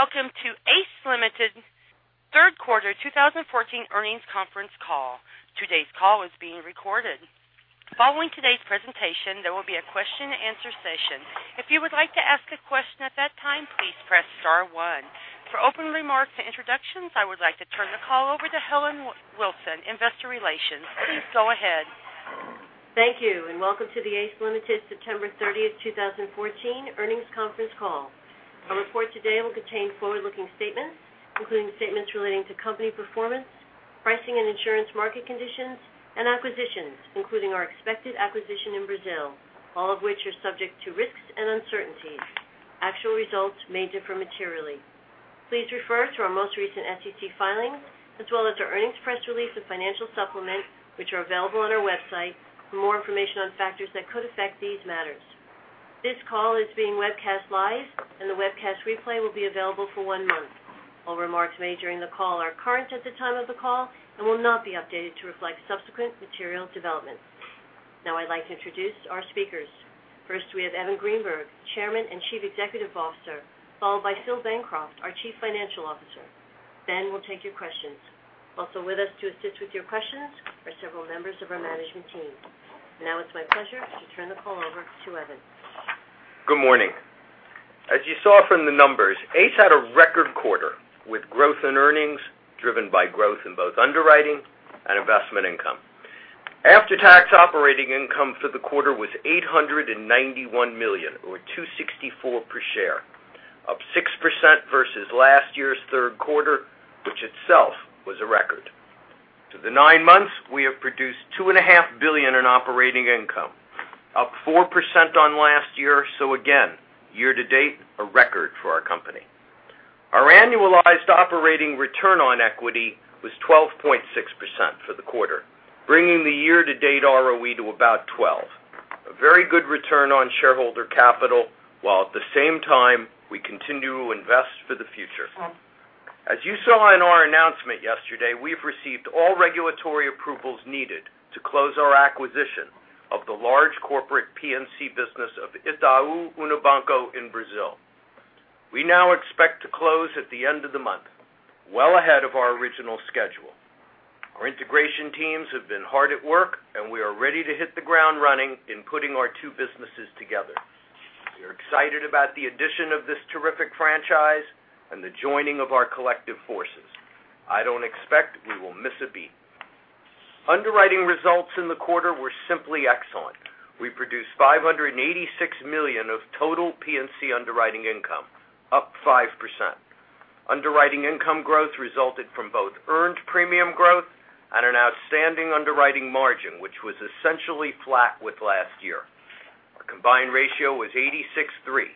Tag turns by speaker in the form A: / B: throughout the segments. A: Good day, welcome to ACE Limited third quarter 2014 earnings conference call. Today's call is being recorded. Following today's presentation, there will be a question and answer session. If you would like to ask a question at that time, please press star one. Opening remarks and introductions, I would like to turn the call over to Helen Wilson, investor relations. Please go ahead.
B: Thank you, welcome to the ACE Limited September 30th, 2014 earnings conference call. Our report today will contain forward-looking statements, including statements relating to company performance, pricing and insurance market conditions, and acquisitions, including our expected acquisition in Brazil, all of which are subject to risks and uncertainties. Actual results may differ materially. Please refer to our most recent SEC filings, as well as our earnings press release and financial supplement, which are available on our website for more information on factors that could affect these matters. This call is being webcast live, the webcast replay will be available for one month. All remarks made during the call are current at the time of the call and will not be updated to reflect subsequent material developments. I'd like to introduce our speakers. First, we have Evan Greenberg, Chairman and Chief Executive Officer, followed by Philip Bancroft, our Chief Financial Officer. We'll take your questions. Also with us to assist with your questions are several members of our management team. It's my pleasure to turn the call over to Evan.
C: Good morning. As you saw from the numbers, ACE had a record quarter, with growth in earnings driven by growth in both underwriting and investment income. After-tax operating income for the quarter was $891 million, or $2.64 per share, up 6% versus last year's third quarter, which itself was a record. For the nine months, we have produced $2.5 billion in operating income, up 4% on last year, again, year-to-date, a record for our company. Our annualized operating return on equity was 12.6% for the quarter, bringing the year-to-date ROE to about 12%. A very good return on shareholder capital, while at the same time, we continue to invest for the future. As you saw in our announcement yesterday, we've received all regulatory approvals needed to close our acquisition of the large corporate P&C business of Itaú Unibanco in Brazil. We now expect to close at the end of the month, well ahead of our original schedule. Our integration teams have been hard at work, and we are ready to hit the ground running in putting our two businesses together. We are excited about the addition of this terrific franchise and the joining of our collective forces. I don't expect we will miss a beat. Underwriting results in the quarter were simply excellent. We produced $586 million of total P&C underwriting income, up 5%. Underwriting income growth resulted from both earned premium growth and an outstanding underwriting margin, which was essentially flat with last year. Our combined ratio was 86.3%,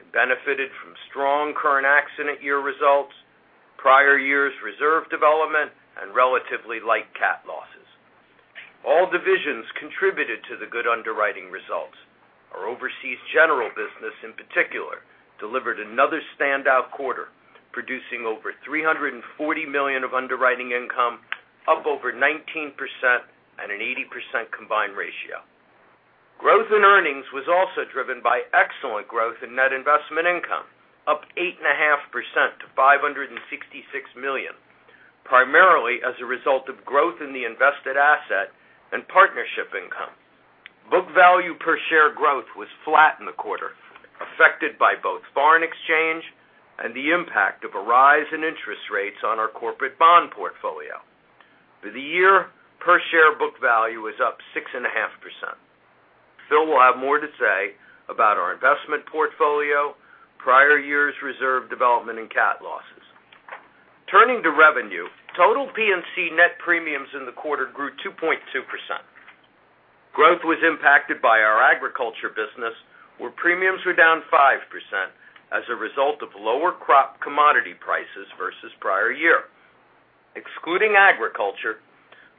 C: and benefited from strong current accident year results, prior years reserve development, and relatively light CAT losses. All divisions contributed to the good underwriting results. Our overseas general business in particular, delivered another standout quarter, producing over $340 million of underwriting income, up over 19%, and an 80% combined ratio. Growth in earnings was also driven by excellent growth in net investment income, up 8.5% to $566 million, primarily as a result of growth in the invested asset and partnership income. Book value per share growth was flat in the quarter, affected by both foreign exchange and the impact of a rise in interest rates on our corporate bond portfolio. For the year, per share book value is up 6.5%. Phil will have more to say about our investment portfolio, prior years reserve development, and CAT losses. Turning to revenue, total P&C net premiums in the quarter grew 2.2%. Growth was impacted by our agriculture business, where premiums were down 5% as a result of lower crop commodity prices versus prior year. Excluding agriculture,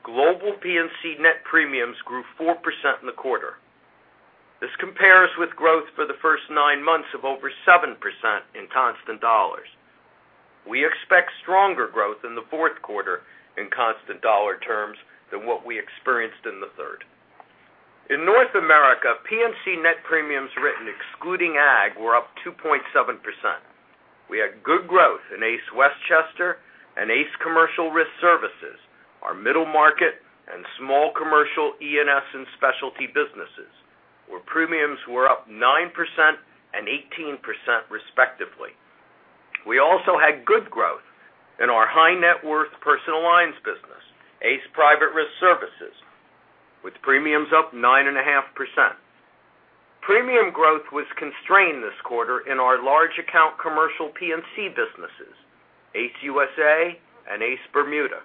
C: global P&C net premiums grew 4% in the quarter. This compares with growth for the first nine months of over 7% in constant dollars. We expect stronger growth in the fourth quarter in constant dollar terms than what we experienced in the third. In North America, P&C net premiums written excluding ag were up 2.7%. We had good growth in ACE Westchester and ACE Commercial Risk Services, our middle market and small commercial E&S and specialty businesses, where premiums were up 9% and 18% respectively. We also had good growth in our high net worth personal lines business, ACE Private Risk Services, with premiums up 9.5%. Premium growth was constrained this quarter in our large account commercial P&C businesses, ACE USA and ACE Bermuda.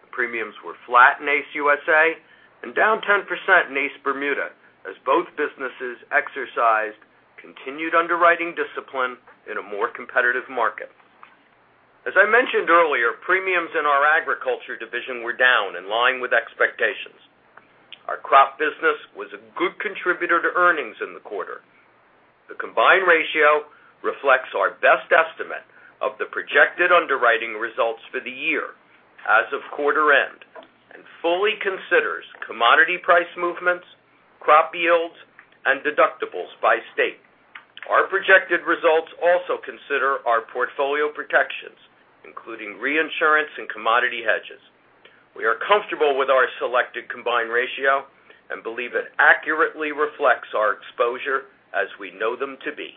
C: The premiums were flat in ACE USA and down 10% in ACE Bermuda as both businesses exercised continued underwriting discipline in a more competitive market. As I mentioned earlier, premiums in our agriculture division were down in line with expectations. Our crop business was a good contributor to earnings in the quarter. The combined ratio reflects our best estimate of the projected underwriting results for the year as of quarter end. Commodity price movements, crop yields, and deductibles by state. Our projected results also consider our portfolio protections, including reinsurance and commodity hedges. We are comfortable with our selected combined ratio and believe it accurately reflects our exposure as we know them to be.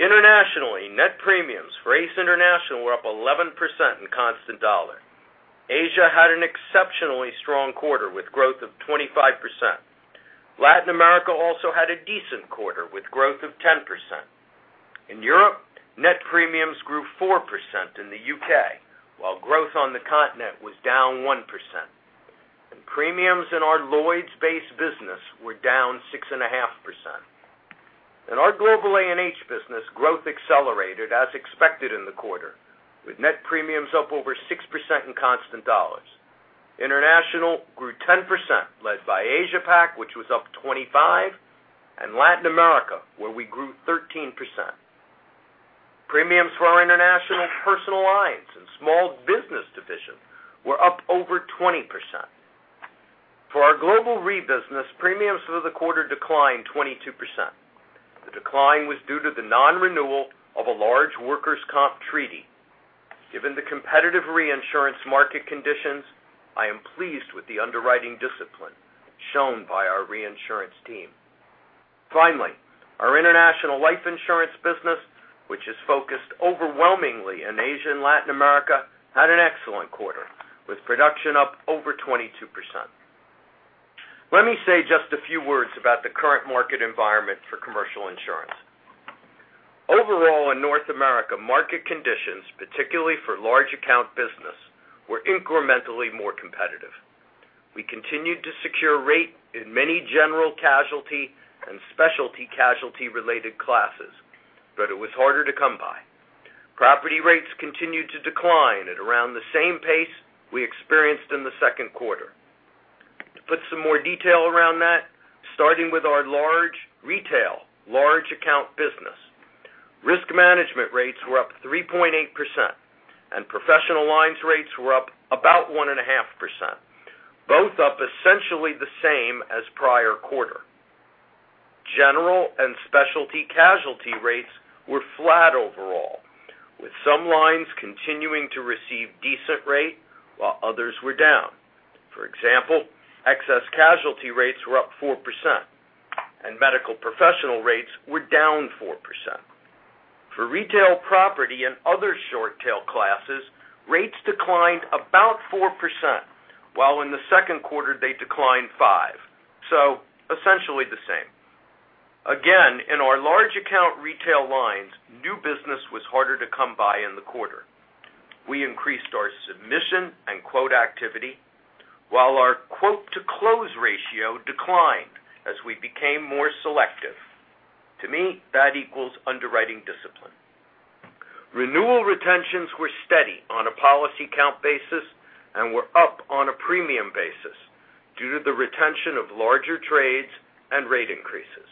C: Internationally, net premiums for ACE International were up 11% in constant dollar. Asia had an exceptionally strong quarter with growth of 25%. Latin America also had a decent quarter with growth of 10%. In Europe, net premiums grew 4% in the U.K., while growth on the continent was down 1%. Premiums in our Lloyd's base business were down 6.5%. In our global A&H business, growth accelerated as expected in the quarter, with net premiums up over 6% in constant dollars. International grew 10%, led by Asia Pac, which was up 25%, and Latin America, where we grew 13%. Premiums for our international personal lines and small business division were up over 20%. For our global re-business, premiums for the quarter declined 22%. The decline was due to the non-renewal of a large workers' comp treaty. Given the competitive reinsurance market conditions, I am pleased with the underwriting discipline shown by our reinsurance team. Finally, our international life insurance business, which is focused overwhelmingly in Asia and Latin America, had an excellent quarter, with production up over 22%. Let me say just a few words about the current market environment for commercial insurance. Overall in North America, market conditions, particularly for large account business, were incrementally more competitive. We continued to secure rate in many general casualty and specialty casualty related classes, but it was harder to come by. Property rates continued to decline at around the same pace we experienced in the second quarter. To put some more detail around that, starting with our retail large account business. Risk management rates were up 3.8%, and professional lines rates were up about 1.5%, both up essentially the same as prior quarter. General and specialty casualty rates were flat overall, with some lines continuing to receive decent rate while others were down. For example, excess casualty rates were up 4% and medical professional rates were down 4%. For retail property and other short tail classes, rates declined about 4%, while in the second quarter they declined 5%, so essentially the same. Again, in our large account retail lines, new business was harder to come by in the quarter. We increased our submission and quote activity, while our quote to close ratio declined as we became more selective. To me, that equals underwriting discipline. Renewal retentions were steady on a policy count basis and were up on a premium basis due to the retention of larger trades and rate increases.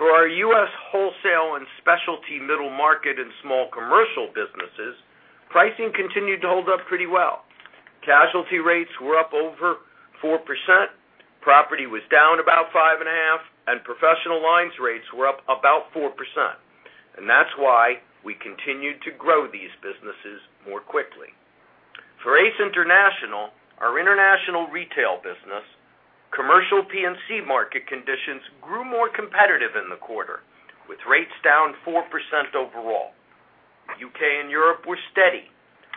C: For our U.S. wholesale and specialty middle market and small commercial businesses, pricing continued to hold up pretty well. Casualty rates were up over 4%, property was down about 5.5%, and professional lines rates were up about 4%. That's why we continued to grow these businesses more quickly. For ACE International, our international retail business, commercial P&C market conditions grew more competitive in the quarter, with rates down 4% overall. U.K. and Europe were steady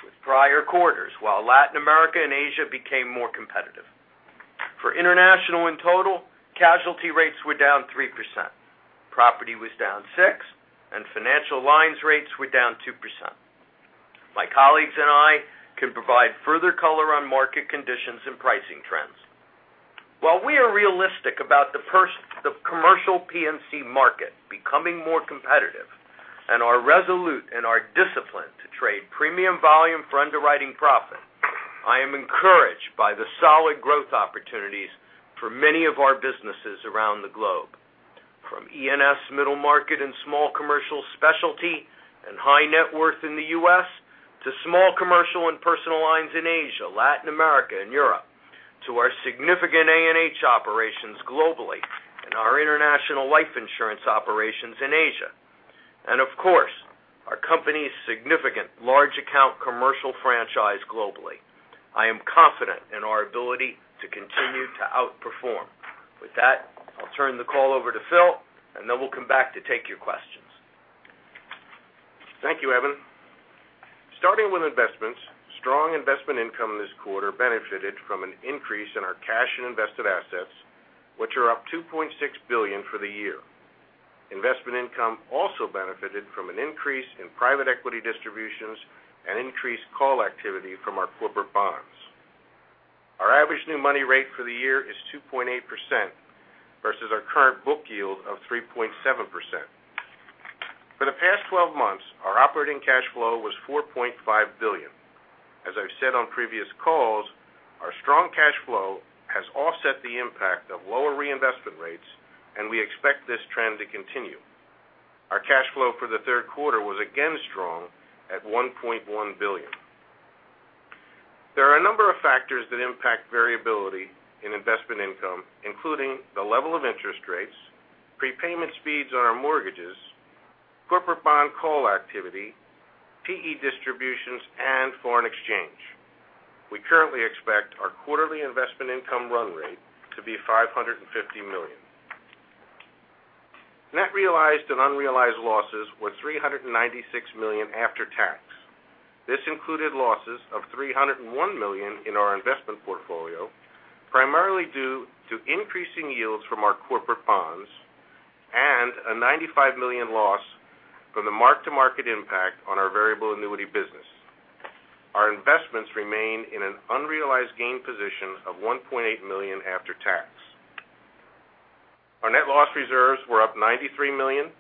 C: with prior quarters, while Latin America and Asia became more competitive. For international in total, casualty rates were down 3%, property was down 6%, and financial lines rates were down 2%. My colleagues and I can provide further color on market conditions and pricing trends. While we are realistic about the commercial P&C market becoming more competitive and are resolute in our discipline to trade premium volume for underwriting profit, I am encouraged by the solid growth opportunities for many of our businesses around the globe. From E&S middle market and small commercial specialty and high net worth in the U.S., to small commercial and personal lines in Asia, Latin America, and Europe, to our significant A&H operations globally and our international life insurance operations in Asia. Of course, our company's significant large account commercial franchise globally. I am confident in our ability to continue to outperform. With that, I'll turn the call over to Phil, then we'll come back to take your questions.
D: Thank you, Evan. Starting with investments, strong investment income this quarter benefited from an increase in our cash and invested assets, which are up $2.6 billion for the year. Investment income also benefited from an increase in private equity distributions and increased call activity from our corporate bonds. Our average new money rate for the year is 2.8% versus our current book yield of 3.7%. For the past 12 months, our operating cash flow was $4.5 billion. As I've said on previous calls, our strong cash flow has offset the impact of lower reinvestment rates, we expect this trend to continue. Our cash flow for the third quarter was again strong at $1.1 billion. There are a number of factors that impact variability in investment income, including the level of interest rates, prepayment speeds on our mortgages, corporate bond call activity, PE distributions, and foreign exchange. We currently expect our quarterly investment income run rate to be $550 million. Net realized and unrealized losses were $396 million after tax. This included losses of $301 million in our investment portfolio, primarily due to increasing yields from our corporate bonds and a $95 million loss from the mark-to-market impact on our variable annuity business. Our investments remain in an unrealized gain position of $1.8 million after tax. Our net loss reserves were up $93 million,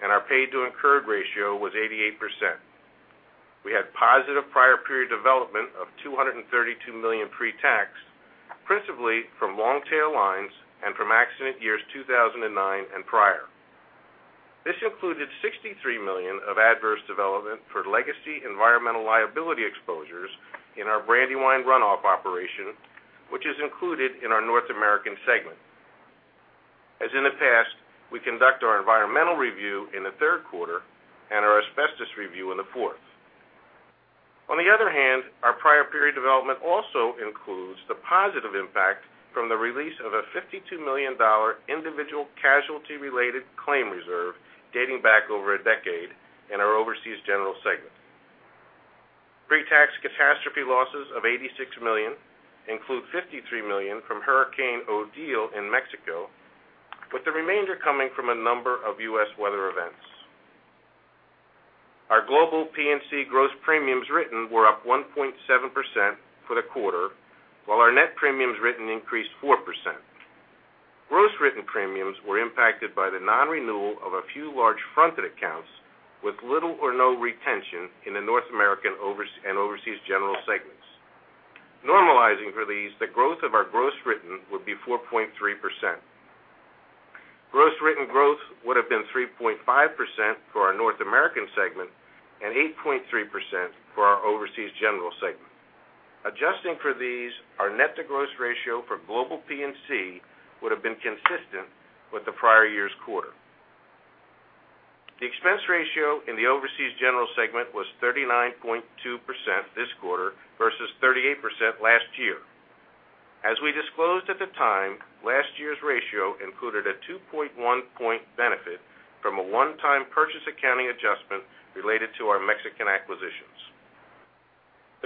D: our paid to incurred ratio was 88%. We had positive prior period development of $232 million pre-tax, principally from long-tail lines and from accident years 2009 and prior. This included $63 million of adverse development for legacy environmental liability exposures in our Brandywine runoff operation, which is included in our North American Segment. As in the past, we conduct our environmental review in the third quarter and our asbestos review in the fourth. On the other hand, our prior period development also includes the positive impact from the release of a $52 million individual casualty-related claim reserve dating back over a decade in our Overseas General Segment. Pre-tax catastrophe losses of $86 million include $53 million from Hurricane Odile in Mexico, with the remainder coming from a number of U.S. weather events. Our global P&C gross premiums written were up 1.7% for the quarter, while our net premiums written increased 4%. Gross written premiums were impacted by the non-renewal of a few large fronted accounts with little or no retention in the North American and Overseas General Segments. Normalizing for these, the growth of our gross written would be 4.3%. Gross written growth would have been 3.5% for our North American segment and 8.3% for our Overseas General Segment. Adjusting for these, our net-to-gross ratio for global P&C would have been consistent with the prior year's quarter. The expense ratio in the Overseas General Segment was 39.2% this quarter versus 38% last year. As we disclosed at the time, last year's ratio included a 2.1-point benefit from a one-time purchase accounting adjustment related to our Mexican acquisitions.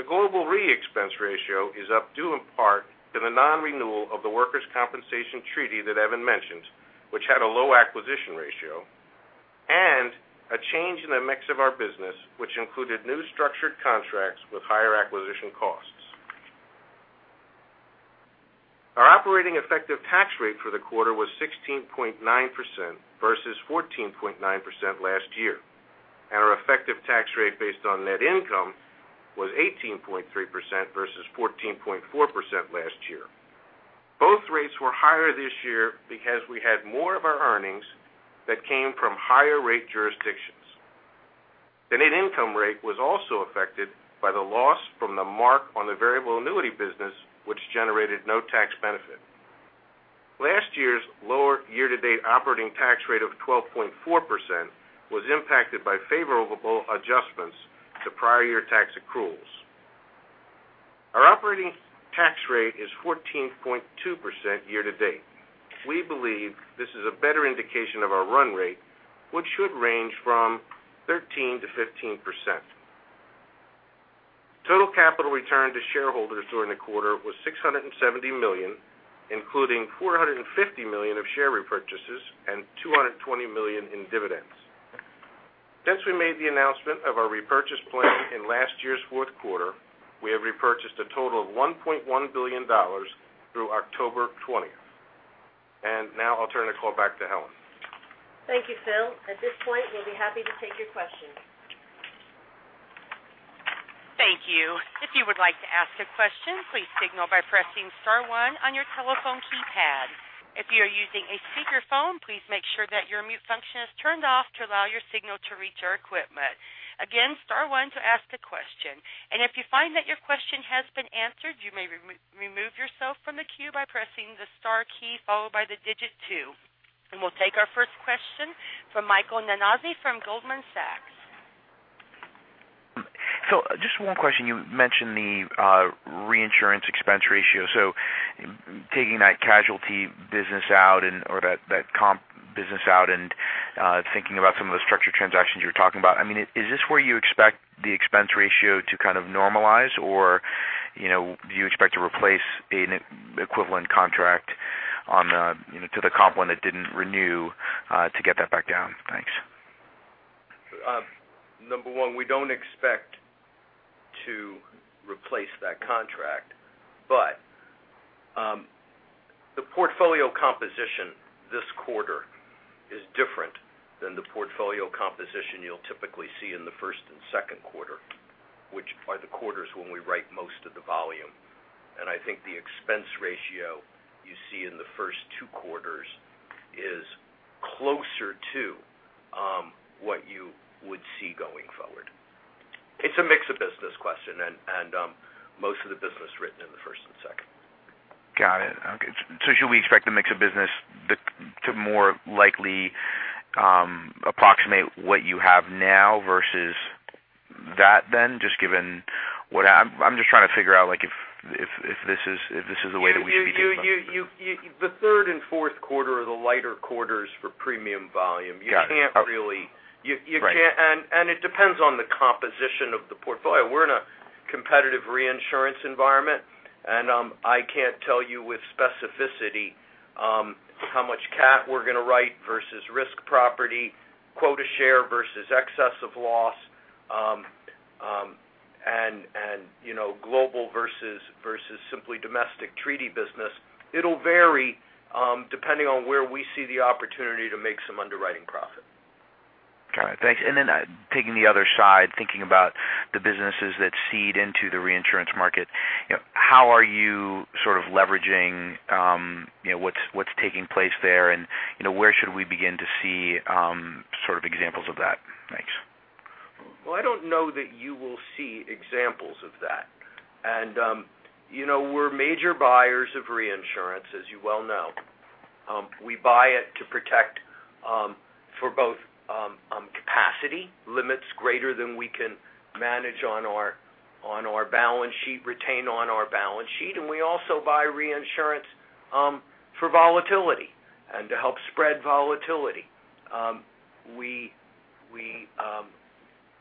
D: The Global Reinsurance expense ratio is up due in part to the non-renewal of the workers' compensation treaty that Evan mentioned, which had a low acquisition ratio, and a change in the mix of our business, which included new structured contracts with higher acquisition costs. Our operating effective tax rate for the quarter was 16.9% versus 14.9% last year, and our effective tax rate based on net income was 18.3% versus 14.4% last year. Both rates were higher this year because we had more of our earnings that came from higher rate jurisdictions. The net income rate was also affected by the loss from the mark on the variable annuity business, which generated no tax benefit. Last year's lower year-to-date operating tax rate of 12.4% was impacted by favorable adjustments to prior year tax accruals. Our operating tax rate is 14.2% year-to-date. We believe this is a better indication of our run rate, which should range from 13%-15%. Total capital returned to shareholders during the quarter was $670 million, including $450 million of share repurchases and $220 million in dividends. Since we made the announcement of our repurchase plan in last year's fourth quarter, we have repurchased a total of $1.1 billion through October 20th. Now I'll turn the call back to Helen.
B: Thank you, Phil. At this point, we'll be happy to take your questions.
A: Thank you. If you would like to ask a question, please signal by pressing star one on your telephone keypad. If you are using a speakerphone, please make sure that your mute function is turned off to allow your signal to reach our equipment. Again, star one to ask a question. If you find that your question has been answered, you may remove yourself from the queue by pressing the star key followed by the digit two. We'll take our first question from Michael Nannizzi from Goldman Sachs.
E: Just one question. You mentioned the reinsurance expense ratio. Taking that casualty business out or that comp business out and thinking about some of the structured transactions you were talking about, is this where you expect the expense ratio to kind of normalize, or do you expect to replace an equivalent contract to the comp one that didn't renew to get that back down? Thanks.
D: Number one, we don't expect to replace that contract, the portfolio composition this quarter is different than the portfolio composition you'll typically see in the first and second quarter.
C: Which are the quarters when we write most of the volume. I think the expense ratio you see in the first two quarters is closer to what you would see going forward. It's a mix of business question and most of the business written in the first and second.
E: Got it. Okay. Should we expect the mix of business to more likely approximate what you have now versus that then? I'm just trying to figure out if this is the way that we should be thinking about the business.
C: The third and fourth quarter are the lighter quarters for premium volume.
E: Got it.
C: You can't really-
E: Right.
C: It depends on the composition of the portfolio. We're in a competitive reinsurance environment, and I can't tell you with specificity how much CAT we're going to write versus risk property, quota share versus excess of loss, and global versus simply domestic treaty business. It'll vary, depending on where we see the opportunity to make some underwriting profit.
E: Got it. Thanks. Taking the other side, thinking about the businesses that cede into the reinsurance market, how are you leveraging what's taking place there, and where should we begin to see examples of that mix?
C: Well, I don't know that you will see examples of that. We're major buyers of reinsurance, as you well know. We buy it to protect for both capacity limits greater than we can manage on our balance sheet, retain on our balance sheet, and we also buy reinsurance for volatility and to help spread volatility. We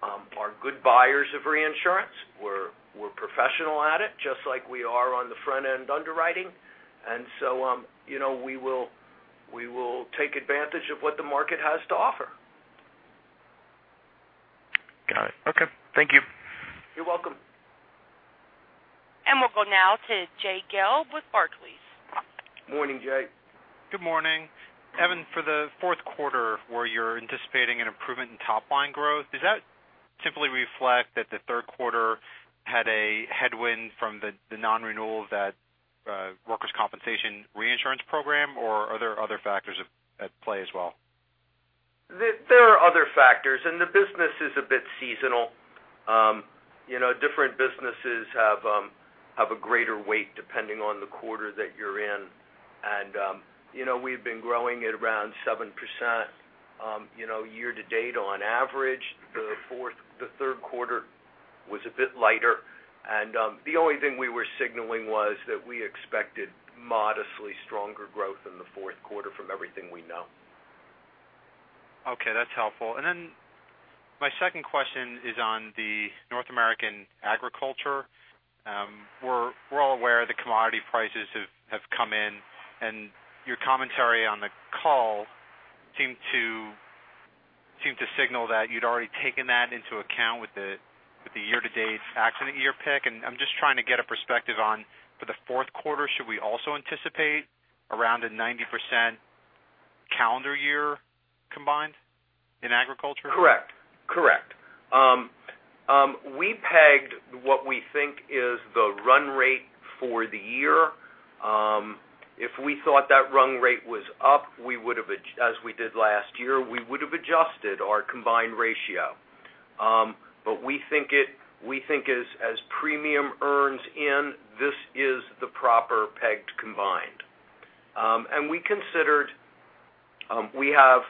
C: are good buyers of reinsurance. We're professional at it, just like we are on the front-end underwriting. We will take advantage of what the market has to offer.
E: Got it. Okay. Thank you.
C: You're welcome.
A: We'll go now to Jay Gelb with Barclays.
C: Morning, Jay.
F: Good morning. Evan, for the fourth quarter, where you're anticipating an improvement in top-line growth, does that simply reflect that the third quarter had a headwind from the non-renewal of that workers' compensation reinsurance program, or are there other factors at play as well?
C: There are other factors. The business is a bit seasonal. Different businesses have a greater weight depending on the quarter that you're in. We've been growing at around 7% year-to-date on average. The third quarter was a bit lighter. The only thing we were signaling was that we expected modestly stronger growth in the fourth quarter from everything we know.
F: Okay, that's helpful. My second question is on the North American agriculture. We're all aware the commodity prices have come in. Your commentary on the call seemed to signal that you'd already taken that into account with the year-to-date accident year pick. I'm just trying to get a perspective on, for the fourth quarter, should we also anticipate around a 90% calendar year combined in agriculture?
C: Correct. We pegged what we think is the run rate for the year. If we thought that run rate was up, as we did last year, we would've adjusted our combined ratio. We think as premium earns in, this is the proper pegged combined. We have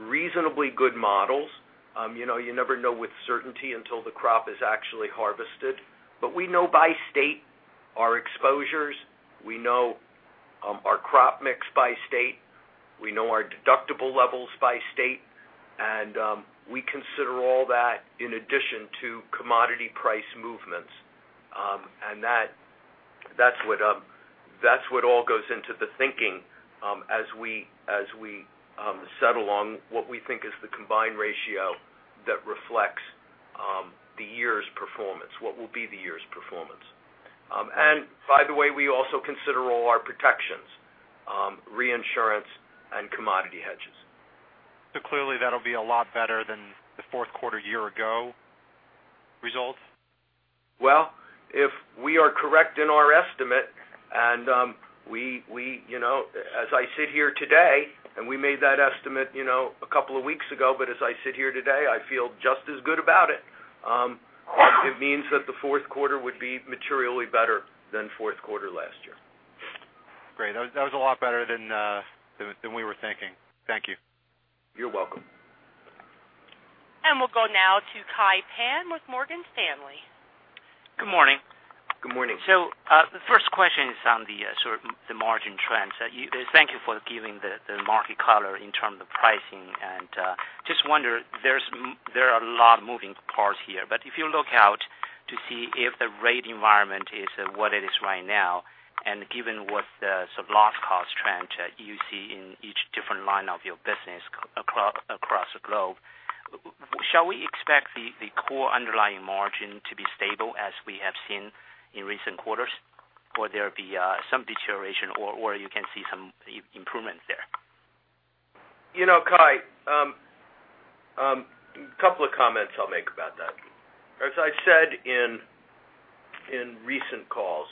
C: reasonably good models. You never know with certainty until the crop is actually harvested. We know by state our exposures, we know our crop mix by state, we know our deductible levels by state, and we consider all that in addition to commodity price movements. That's what all goes into the thinking as we settle on what we think is the combined ratio that reflects the year's performance, what will be the year's performance. By the way, we also consider all our protections, reinsurance, and commodity hedges.
F: Clearly, that'll be a lot better than the fourth quarter year-ago results?
C: Well, if we are correct in our estimate, and as I sit here today, and we made that estimate a couple of weeks ago, but as I sit here today, I feel just as good about it. It means that the fourth quarter would be materially better than fourth quarter last year.
F: Great. That was a lot better than we were thinking. Thank you.
C: You're welcome.
A: We'll go now to Kai Pan with Morgan Stanley.
G: Good morning.
C: Good morning.
G: The first question is on the margin trends. Thank you for giving the market color in terms of pricing and I just wonder, there are a lot of moving parts here, but if you look out to see if the rate environment is what it is right now, and given what the loss cost trend you see in each different line of your business across the globe, shall we expect the core underlying margin to be stable as we have seen in recent quarters? Will there be some deterioration or you can see some improvement there?
C: Kai, a couple of comments I'll make about that. As I said in recent calls,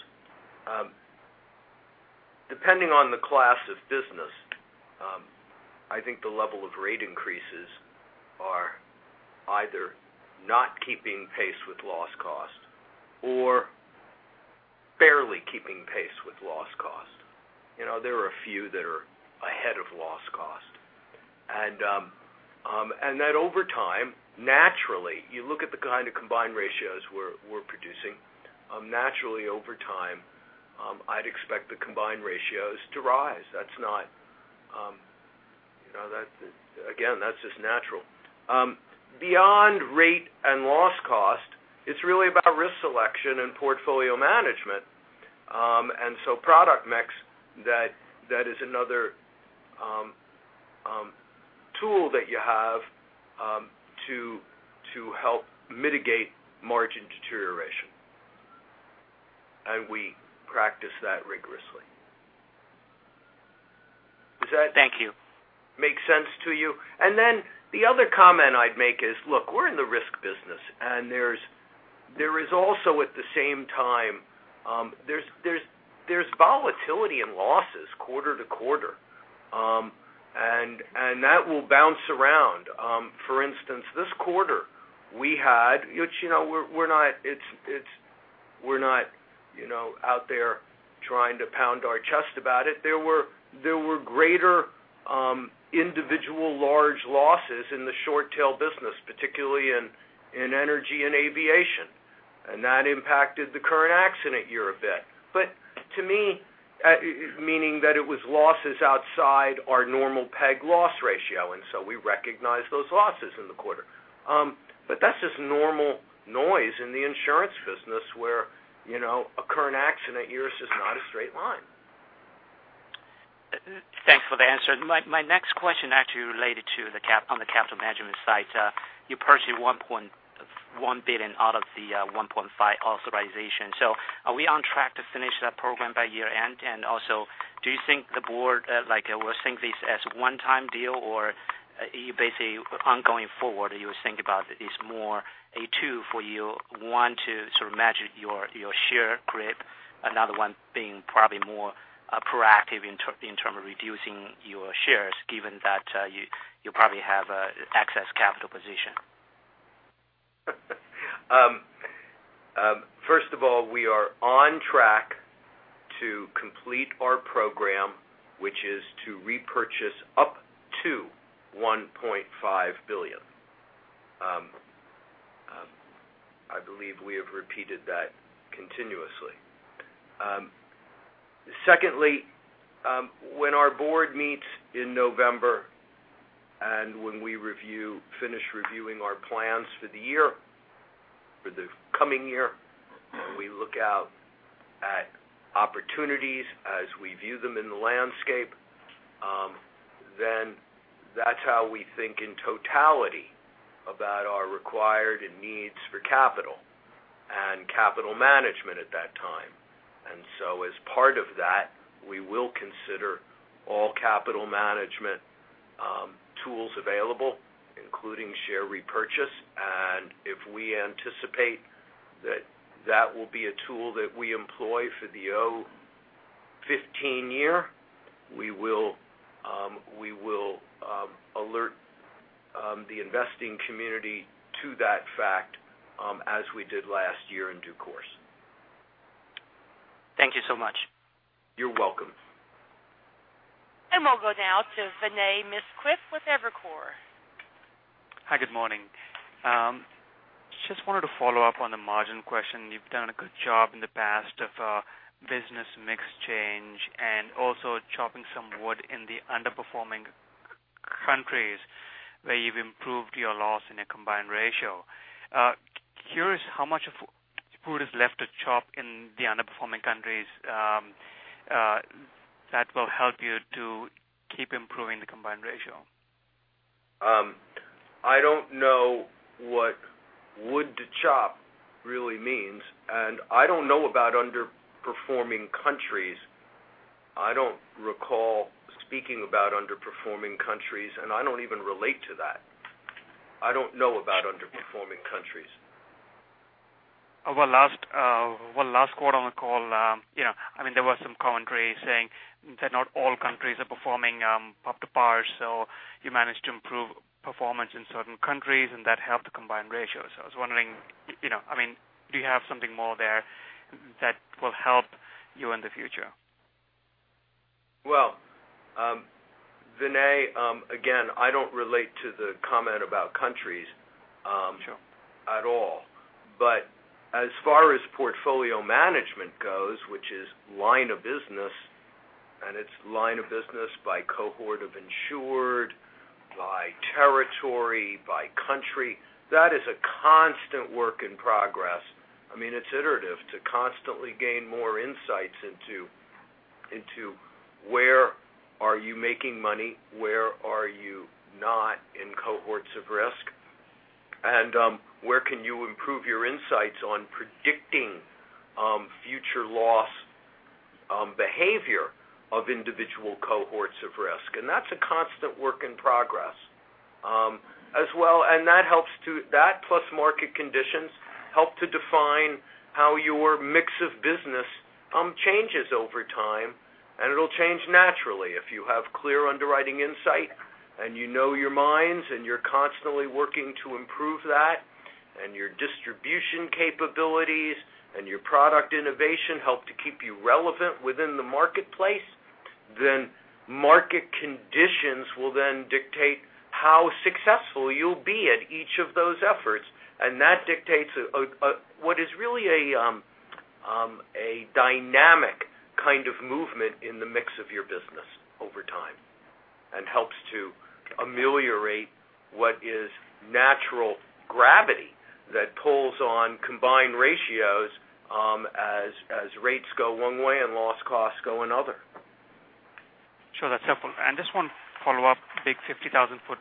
C: depending on the class of business, I think the level of rate increases are either not keeping pace with loss cost or barely keeping pace with loss cost. There are a few that are ahead of loss cost. That over time, naturally, you look at the kind of combined ratios we're producing, naturally over time, I'd expect the combined ratios to rise. Again, that's just natural. Beyond rate and loss cost, it's really about risk selection and portfolio management. Product mix, that is another tool that you have to help mitigate margin deterioration. We practice that rigorously.
G: Thank you
C: make sense to you? The other comment I'd make is, look, we're in the risk business, there is also at the same time, there's volatility in losses quarter to quarter. That will bounce around. For instance, this quarter we had, which we're not out there trying to pound our chest about it. There were greater individual large losses in the short tail business, particularly in energy and aviation. That impacted the current accident year a bit. To me, meaning that it was losses outside our normal peg loss ratio, we recognized those losses in the quarter. That's just normal noise in the insurance business where a current accident year is just not a straight line.
G: Thanks for the answer. My next question actually related to on the capital management side. You purchased $1.1 billion out of the $1.5 authorization. Are we on track to finish that program by year-end? Do you think the board will think this as a one-time deal, or you basically ongoing forward, you think about it is more a tool for you want to sort of manage your share grip, another one being probably more proactive in terms of reducing your shares given that you probably have excess capital position?
C: First of all, we are on track to complete our program, which is to repurchase up to $1.5 billion. I believe we have repeated that continuously. Secondly, when our board meets in November and when we finish reviewing our plans for the year, for the coming year, we look out at opportunities as we view them in the landscape, then that's how we think in totality about our required and needs for capital and capital management at that time. As part of that, we will consider all capital management tools available, including share repurchase. If we anticipate that that will be a tool that we employ for the 2015 year, we will alert the investing community to that fact as we did last year in due course.
G: Thank you so much.
C: You're welcome.
A: We'll go now to Vinay Misquith with Evercore.
H: Hi, good morning. Just wanted to follow up on the margin question. You've done a good job in the past of business mix change and also chopping some wood in the underperforming countries where you've improved your loss in a combined ratio. Curious how much of wood is left to chop in the underperforming countries that will help you to keep improving the combined ratio?
C: I don't know what wood to chop really means. I don't know about underperforming countries. I don't recall speaking about underperforming countries. I don't even relate to that. I don't know about underperforming countries.
H: Well, last quarter on the call, there was some commentary saying that not all countries are performing up to par. You managed to improve performance in certain countries, and that helped the combined ratio. I was wondering, do you have something more there that will help you in the future?
C: Well, Vinay, again, I don't relate to the comment about countries.
H: Sure
C: At all. As far as portfolio management goes, which is line of business, and it's line of business by cohort of insured, by territory, by country, that is a constant work in progress. It's iterative to constantly gain more insights into where are you making money, where are you not in cohorts of risk? Where can you improve your insights on predicting future loss behavior of individual cohorts of risk? That's a constant work in progress. That plus market conditions help to define how your mix of business changes over time, and it'll change naturally. If you have clear underwriting insight, and you know your lines, and you're constantly working to improve that, and your distribution capabilities, and your product innovation help to keep you relevant within the marketplace, market conditions will then dictate how successful you'll be at each of those efforts. That dictates what is really a dynamic kind of movement in the mix of your business over time, and helps to ameliorate what is natural gravity that pulls on combined ratios as rates go one way and loss costs go another.
H: Sure. That's helpful. Just one follow-up, big 50,000-foot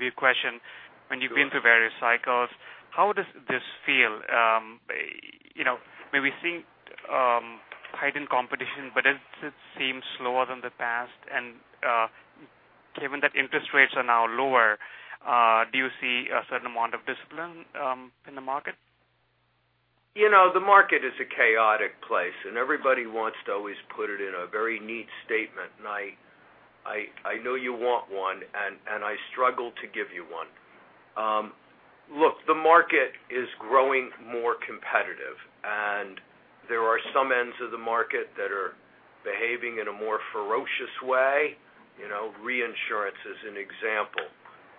H: view question. When you've been through various cycles, how does this feel? Maybe seeing heightened competition, but it seems slower than the past. Given that interest rates are now lower, do you see a certain amount of discipline in the market?
C: The market is a chaotic place, and everybody wants to always put it in a very neat statement. I know you want one, and I struggle to give you one. Look, the market is growing more competitive, and there are some ends of the market that are behaving in a more ferocious way. reinsurance is an example.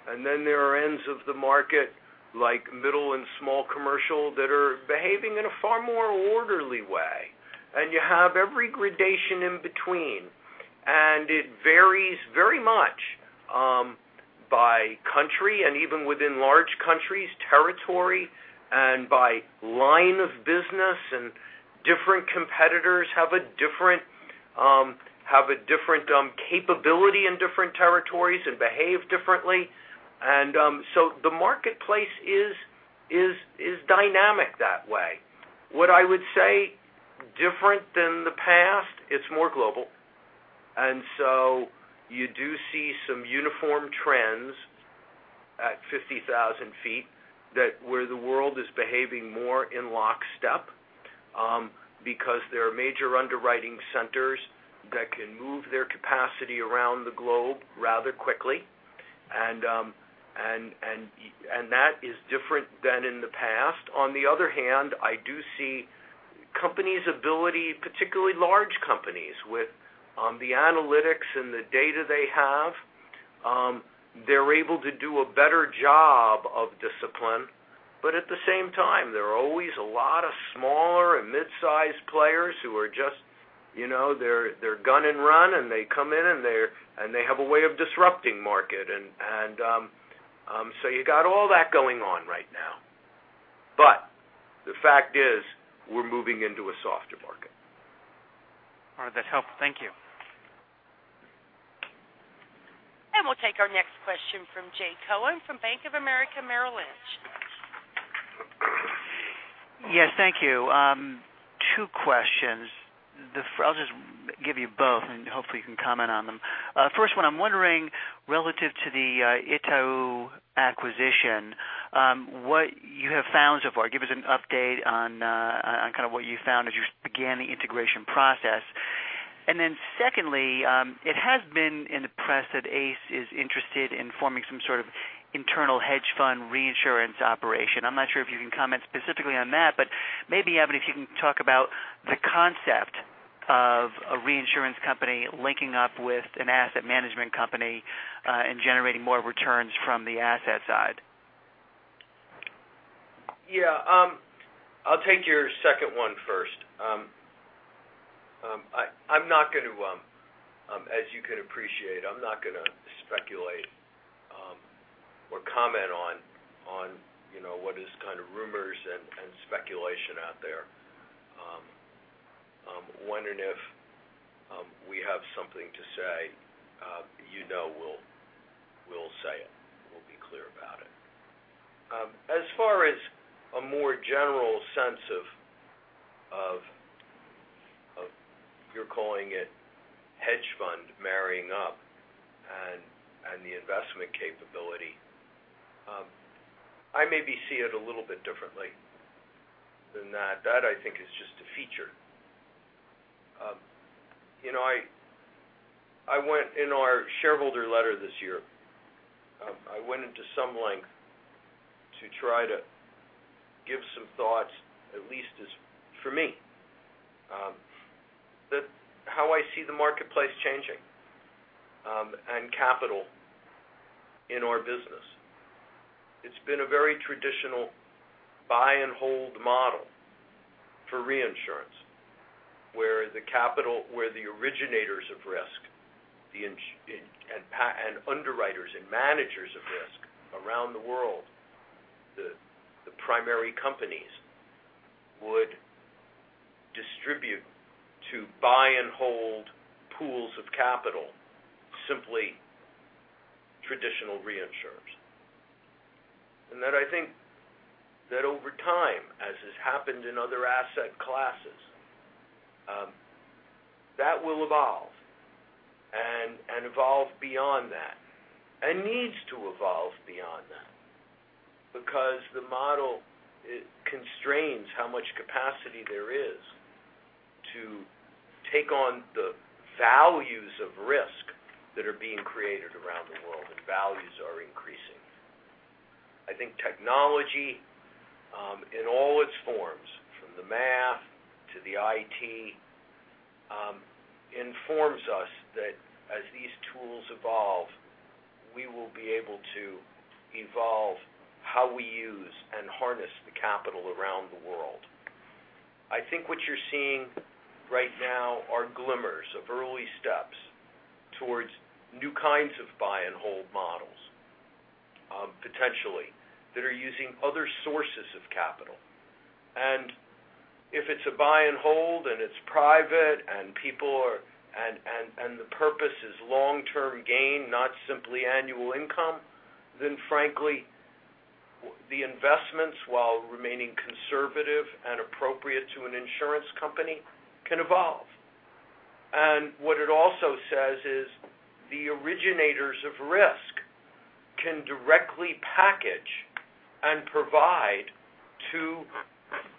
C: Then there are ends of the market, like middle and small commercial, that are behaving in a far more orderly way. You have every gradation in between. It varies very much by country and even within large countries, territory, and by line of business, and different competitors have a different capability in different territories and behave differently. The marketplace is dynamic that way. What I would say, different than the past, it's more global. You do see some uniform trends at 50,000 feet that where the world is behaving more in lockstep because there are major underwriting centers that can move their capacity around the globe rather quickly. That is different than in the past. On the other hand, I do see companies' ability, particularly large companies with the analytics and the data they have, they're able to do a better job of discipline. At the same time, there are always a lot of smaller and mid-size players who are just, they're gun and run, and they come in, and they have a way of disrupting market. You got all that going on right now. The fact is, we're moving into a softer market.
H: All right. That helps. Thank you.
A: We'll take our next question from Jay Cohen from Bank of America Merrill Lynch.
I: Yes. Thank you. Two questions. I'll just give you both, and hopefully you can comment on them. First one, I'm wondering, relative to the Itaú acquisition, what you have found so far. Give us an update on kind of what you found as you began the integration process. Secondly, it has been in the press that ACE is interested in forming some sort of internal hedge fund reinsurance operation. I'm not sure if you can comment specifically on that, but maybe, Evan, if you can talk about the concept of a reinsurance company linking up with an asset management company and generating more returns from the asset side.
C: Yeah. I'll take your second one first. As you can appreciate, I'm not going to speculate or comment on what is kind of rumors and speculation out there. Wondering if we have something to say, you know we'll say it. We'll be clear about it. As far as a more general sense of you're calling it hedge fund marrying up and the investment capability, I maybe see it a little bit differently than that. That, I think, is just a feature. In our shareholder letter this year, I went into some length to try to give some thoughts, at least as for me, that how I see the marketplace changing and capital in our business. It's been a very traditional buy-and-hold model for reinsurance, where the originators of risk and underwriters and managers of risk around the world, the primary companies would contribute to buy and hold pools of capital, simply traditional reinsurers. That I think that over time, as has happened in other asset classes, that will evolve and evolve beyond that, and needs to evolve beyond that. Because the model constrains how much capacity there is to take on the values of risk that are being created around the world, and values are increasing. I think technology, in all its forms, from the math to the IT, informs us that as these tools evolve, we will be able to evolve how we use and harness the capital around the world. I think what you're seeing right now are glimmers of early steps towards new kinds of buy and hold models, potentially, that are using other sources of capital. If it's a buy and hold and it's private and the purpose is long-term gain, not simply annual income, then frankly, the investments, while remaining conservative and appropriate to an insurance company, can evolve. What it also says is the originators of risk can directly package and provide to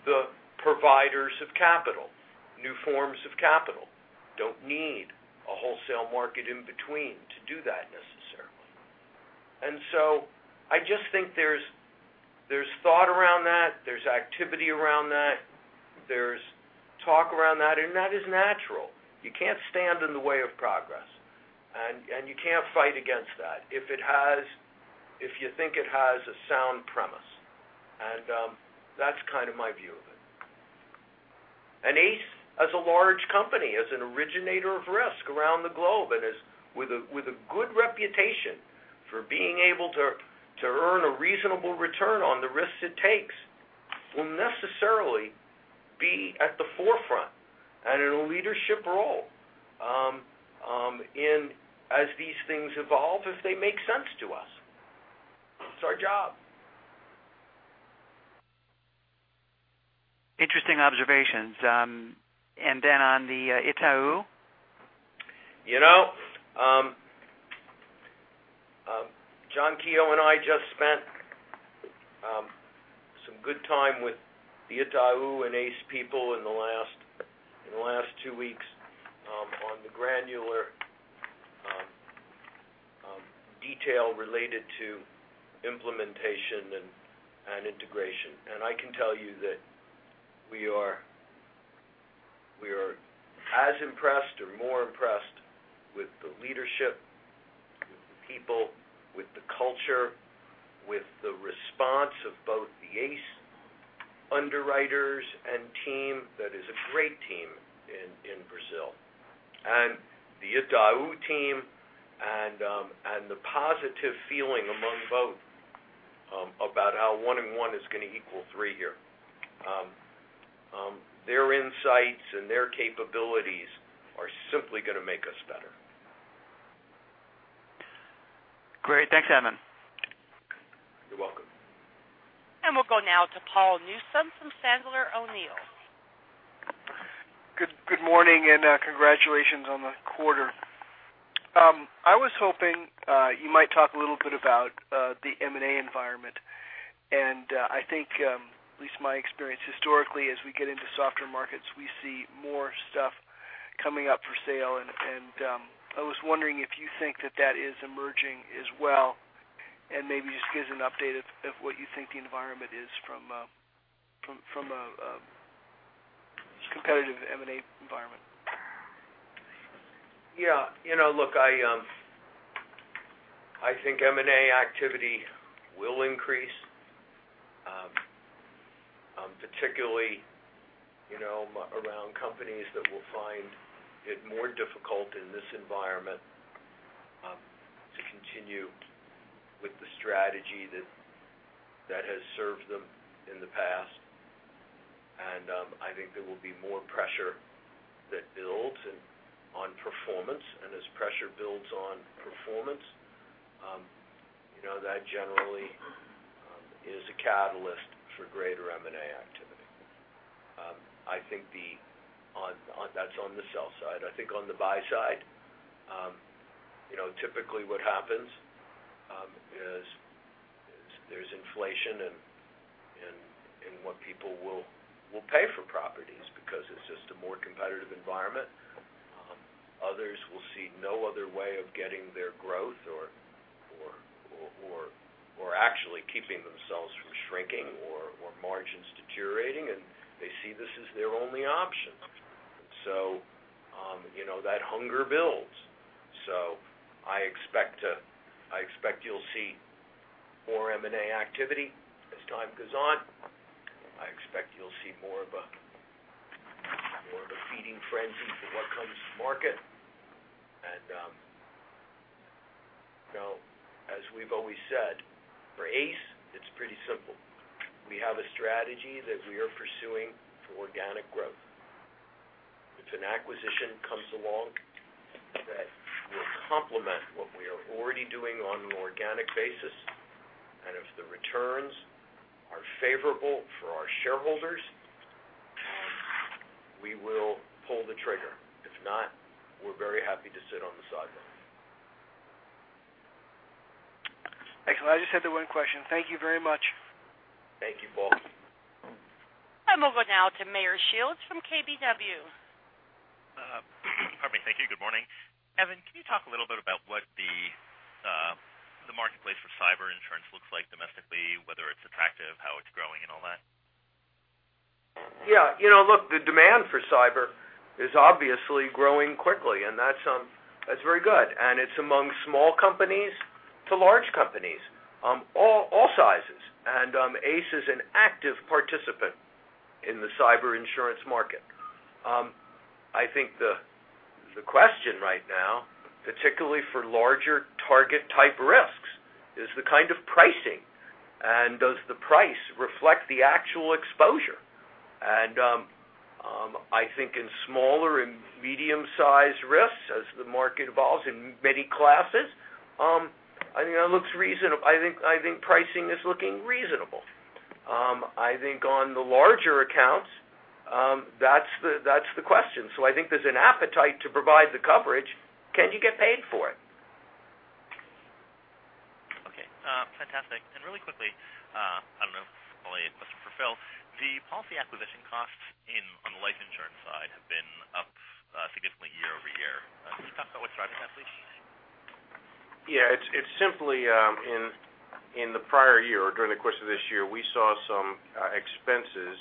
C: the providers of capital. New forms of capital don't need a wholesale market in between to do that necessarily. So I just think there's thought around that, there's activity around that, there's talk around that is natural. You can't stand in the way of progress, and you can't fight against that if you think it has a sound premise. That's kind of my view of it. ACE, as a large company, as an originator of risk around the globe, and with a good reputation for being able to earn a reasonable return on the risks it takes, will necessarily be at the forefront and in a leadership role as these things evolve, if they make sense to us. It's our job.
I: Interesting observations. Then on the Itaú?
C: You know, John Keogh and I just spent some good time with the Itaú and ACE people in the last two weeks on the granular detail related to implementation and integration. I can tell you that we are as impressed or more impressed with the leadership, with the people, with the culture, with the response of both the ACE underwriters and team, that is a great team in Brazil, and the Itaú team and the positive feeling among both about how one and one is going to equal three here. Their insights and their capabilities are simply going to make us better.
I: Great. Thanks, Evan.
C: You're welcome.
A: We'll go now to Paul Newsome from Sandler O'Neill.
J: Good morning and congratulations on the quarter. I was hoping you might talk a little bit about the M&A environment. I think, at least my experience historically, as we get into softer markets, we see more stuff coming up for sale. I was wondering if you think that that is emerging as well, and maybe just give us an update of what you think the environment is from a competitive M&A environment.
C: Yeah. Look, I think M&A activity will increase, particularly around companies that will find it more difficult in this environment to continue with the strategy that has served them in the past. I think there will be more pressure that builds on performance. As pressure builds on performance, that generally is a catalyst for greater M&A activity. That's on the sell side. I think on the buy side, typically what happens is there's inflation in what people will pay for properties because it's just a more competitive environment. Others will see no other way of getting their growth or actually keeping themselves from shrinking or margins deteriorating, and they see this as their only option. That hunger builds. I expect you'll see more M&A activity as time goes on. I expect you'll see more of a feeding frenzy for what comes to market. As we've always said, for ACE, it's pretty simple. We have a strategy that we are pursuing for organic growth. If an acquisition comes along that will complement what we are already doing on an organic basis, and if the returns are favorable for our shareholders, we will pull the trigger. If not, we're very happy to sit on the sidelines.
J: Excellent. I just had the one question. Thank you very much.
C: Thank you, Paul.
A: I'll move on now to Meyer Shields from KBW.
K: Pardon me. Thank you. Good morning. Evan, can you talk a little bit about what the marketplace for cyber insurance looks like domestically, whether it's attractive, how it's growing, and all that?
C: Yeah. Look, the demand for cyber is obviously growing quickly, and that's very good. It's among small companies to large companies, all sizes. ACE is an active participant in the cyber insurance market. I think the question right now, particularly for larger Target-type risks, is the kind of pricing, and does the price reflect the actual exposure? I think in smaller and medium-sized risks, as the market evolves in many classes, I think pricing is looking reasonable. I think on the larger accounts, that's the question. I think there's an appetite to provide the coverage. Can you get paid for it?
K: Okay. Fantastic. Really quickly, I don't know if this is probably a question for Phil, the policy acquisition costs on the life insurance side have been up significantly year-over-year. Can you talk about what's driving that, please?
D: Yeah. It's simply in the prior year, during the course of this year, we saw some expenses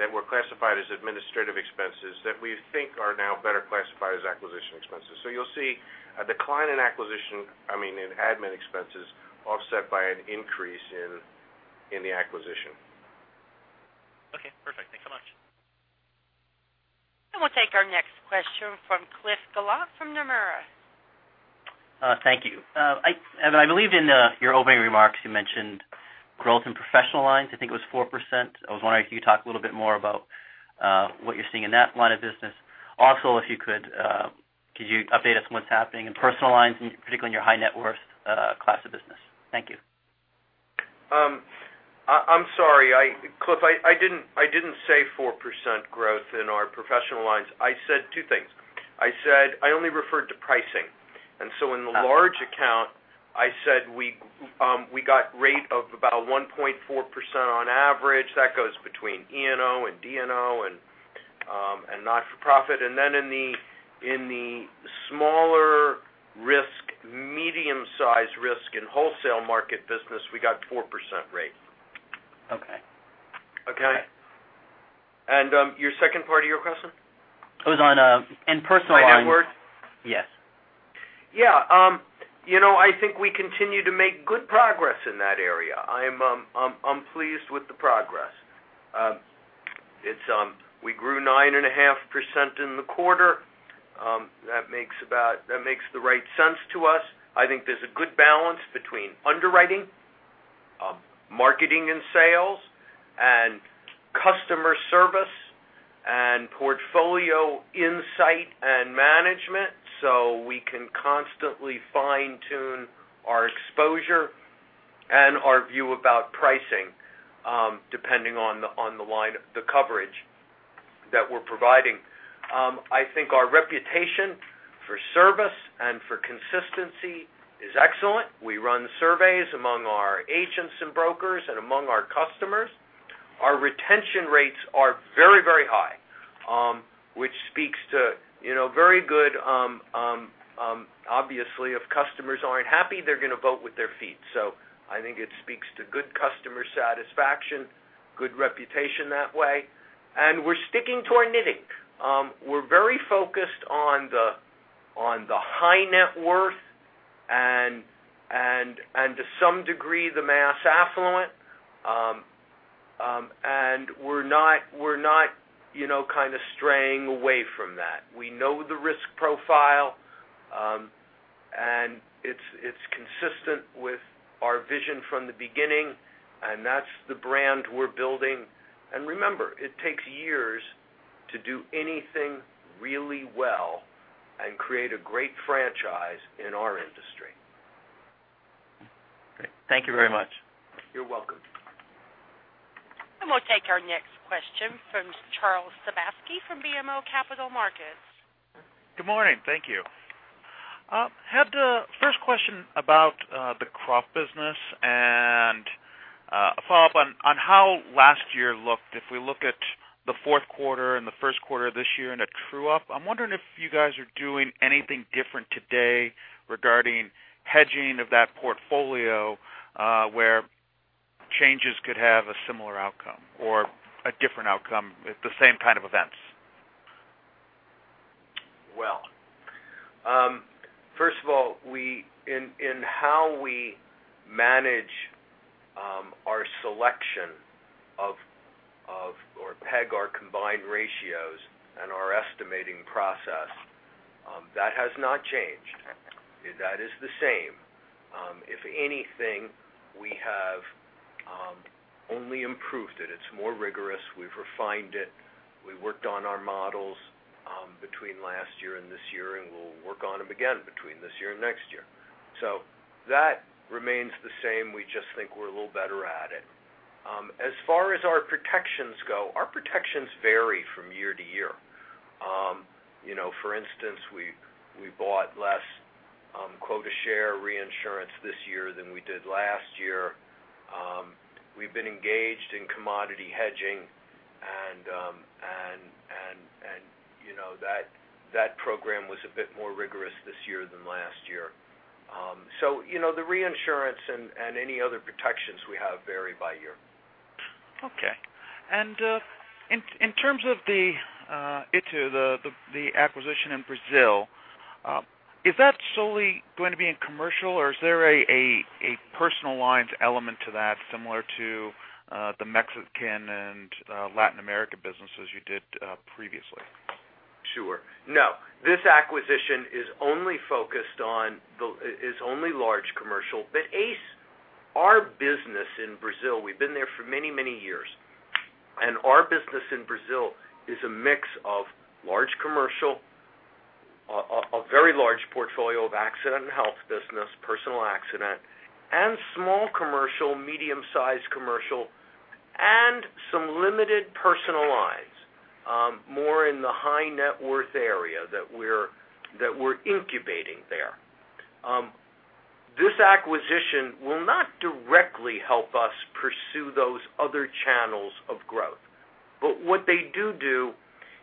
D: that were classified as administrative expenses that we think are now better classified as acquisition expenses. You'll see a decline in admin expenses offset by an increase in the acquisition.
K: Okay, perfect. Thanks so much.
A: We'll take our next question from Cliff Gallant from Nomura.
L: Thank you. Evan, I believe in your opening remarks, you mentioned growth in professional lines, I think it was 4%. I was wondering if you could talk a little bit more about what you're seeing in that line of business. Also, if you could you update us on what's happening in personal lines, and particularly in your high net worth class of business? Thank you.
C: I'm sorry, Cliff Gallant, I didn't say 4% growth in our professional lines. I said two things. I only referred to pricing. In the large account, I said we got rate of about 1.4% on average. That goes between E&O and D&O and not-for-profit. In the smaller risk, medium-sized risk in wholesale market business, we got 4% rate.
L: Okay.
C: Okay? Your second part of your question?
L: It was on personal lines.
C: High net worth?
L: Yes.
C: Yeah. I think we continue to make good progress in that area. I'm pleased with the progress. We grew 9.5% in the quarter. That makes the right sense to us. I think there's a good balance between underwriting, marketing and sales, and customer service, and portfolio insight and management, so we can constantly fine-tune our exposure and our view about pricing, depending on the coverage that we're providing. I think our reputation for service and for consistency is excellent. We run surveys among our agents and brokers and among our customers. Our retention rates are very high, which speaks to obviously, if customers aren't happy, they're going to vote with their feet. I think it speaks to good customer satisfaction, good reputation that way, and we're sticking to our knitting. We're very focused on the high net worth and to some degree, the mass affluent. We're not kind of straying away from that. We know the risk profile. It's consistent with our vision from the beginning. That's the brand we're building. Remember, it takes years to do anything really well and create a great franchise in our industry.
L: Great. Thank you very much.
C: You're welcome.
A: We'll take our next question from Charles Sebaski from BMO Capital Markets.
M: Good morning. Thank you. I had the first question about the crop business, a follow-up on how last year looked. If we look at the fourth quarter and the first quarter of this year and it true up, I'm wondering if you guys are doing anything different today regarding hedging of that portfolio, where changes could have a similar outcome or a different outcome with the same kind of events.
C: Well, first of all, in how we manage our selection line ratios and our estimating process, that has not changed. That is the same. If anything, we have only improved it. It's more rigorous. We've refined it. We worked on our models between last year and this year, and we'll work on them again between this year and next year. That remains the same. We just think we're a little better at it. As far as our protections go, our protections vary from year to year. For instance, we bought less quota share reinsurance this year than we did last year. We've been engaged in commodity hedging, and that program was a bit more rigorous this year than last year. The reinsurance and any other protections we have vary by year.
M: Okay. In terms of the Itaú, the acquisition in Brazil, is that solely going to be in commercial, or is there a personal lines element to that similar to the Mexican and Latin American businesses you did previously?
C: Sure. No. This acquisition is only large commercial. ACE, our business in Brazil, we've been there for many, many years. Our business in Brazil is a mix of large commercial, a very large portfolio of accident and health business, personal accident, and small commercial, medium-sized commercial, and some limited personal lines, more in the high net worth area that we're incubating there. This acquisition will not directly help us pursue those other channels of growth. What they do do,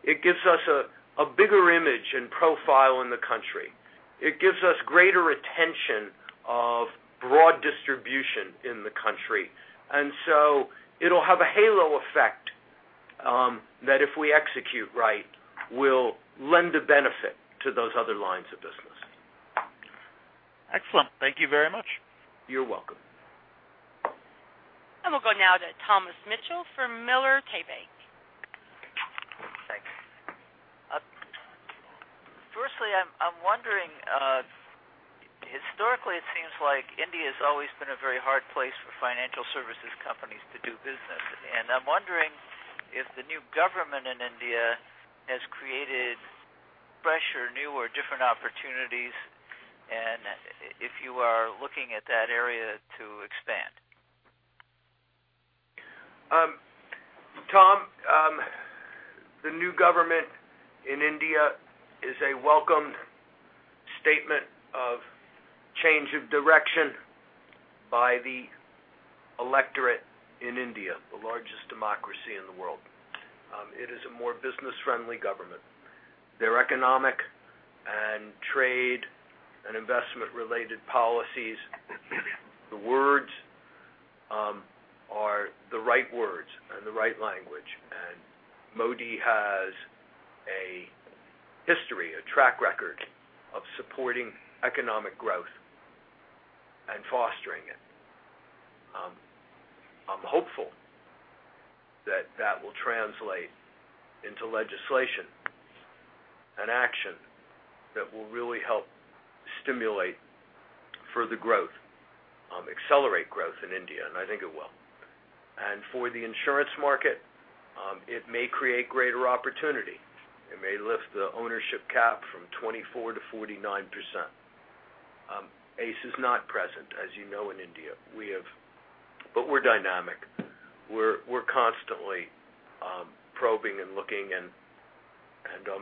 C: it gives us a bigger image and profile in the country. It gives us greater attention of broad distribution in the country. So it'll have a halo effect, that if we execute right, will lend a benefit to those other lines of business.
M: Excellent. Thank you very much.
C: You're welcome.
A: We'll go now to Thomas Mitchell from Miller Tabak.
N: Thanks. Firstly, I'm wondering, historically, it seems like India's always been a very hard place for financial services companies to do business. I'm wondering if the new government in India has created fresh or new or different opportunities, and if you are looking at that area to expand.
C: Tom, the new government in India is a welcomed statement of change of direction by the electorate in India, the largest democracy in the world. It is a more business-friendly government. Their economic and trade and investment related policies, the words are the right words and the right language. Modi has a history, a track record of supporting economic growth and fostering it. I'm hopeful that that will translate into legislation and action that will really help stimulate further growth, accelerate growth in India, and I think it will. For the insurance market, it may create greater opportunity. It may lift the ownership cap from 24% to 49%. ACE is not present, as you know, in India. We're dynamic. We're constantly probing and looking, and